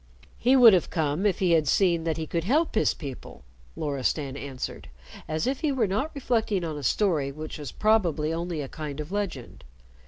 "He would have come if he had seen that he could help his people," Loristan answered, as if he were not reflecting on a story which was probably only a kind of legend.